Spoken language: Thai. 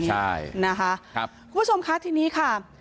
คุณผู้ชมค่ะทีนี้ค่ะ